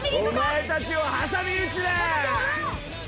お前たちを挟み撃ちだ！